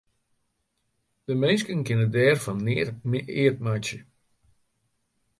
De minsken kinne dêr fan neat eat meitsje.